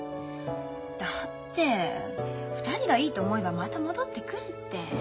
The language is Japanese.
だって２人がいいと思えばまた戻ってくるって。